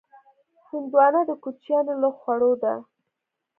هندوانه د کوچیانو له خوړو ده.